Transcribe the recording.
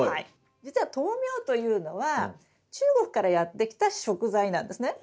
じつは豆苗というのは中国からやって来た食材なんですね。